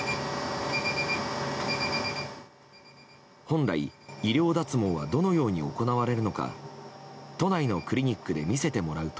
本来、医療脱毛はどのように行われるのか都内のクリニックで見せてもらうと。